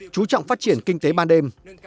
chú trọng phát triển kinh tế ban đêm